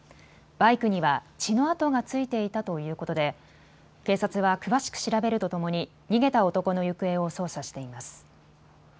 バイクには血の跡が付いていたということで警察は詳しく調べるとともに逃げた男の行方を捜査しています。